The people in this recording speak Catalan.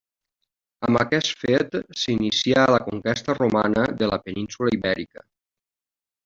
Amb aquest fet, s'inicià la conquesta romana de la península Ibèrica.